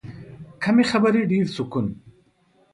کمې خبرې، ډېر سکون.